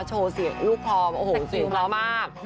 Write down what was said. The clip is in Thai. โชว์เสียงลูกคลอมโอ้โหเสียงเพราะมาก